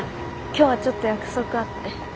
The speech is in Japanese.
今日はちょっと約束あって。